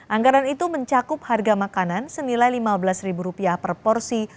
anggaran itu mencakup harga makanan senilai lima belas per porsi